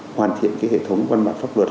hoàn thiện cái hệ thống văn bản pháp luật